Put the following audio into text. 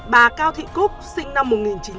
bà cao thị cúc sinh năm một nghìn chín trăm tám mươi